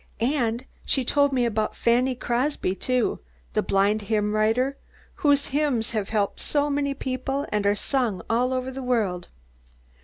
And she told me about Fanny Crosby, too, the blind hymnwriter, whose hymns have helped so many people and are sung all over the world.